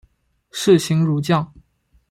士行如将。